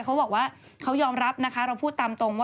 เขายอมรับนะคะ